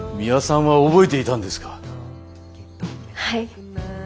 はい。